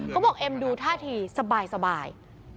เขาบอกเอมดูท่าทีสบาย